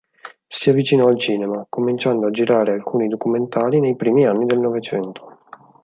Si avvicinò al cinema, cominciando a girare alcuni documentari nei primi anni del Novecento.